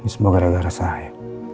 semua gara gara saya